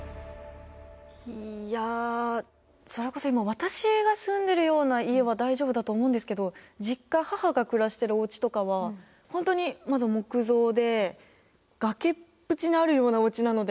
いやそれこそ今私が住んでるような家は大丈夫だと思うんですけど実家母が暮らしてるおうちとかは本当にまず木造で崖っぷちにあるようなおうちなので。